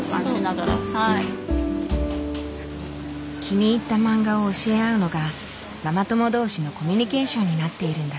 気に入ったマンガを教え合うのがママ友同士のコミュニケーションになっているんだそう。